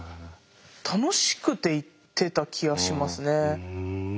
楽しくて行ってた気がしますね。